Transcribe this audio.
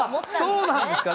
そうなんですか？